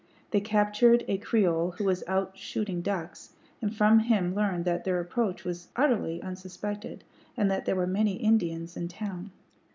They captured a Creole who was out shooting ducks, and from him learned that their approach was utterly unsuspected, and that there were many Indians in town.